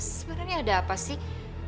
sebenernya ada apa sih